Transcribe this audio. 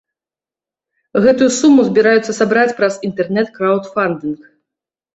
Гэтую суму збіраюцца сабраць праз інтэрнэт-краўдфандынг.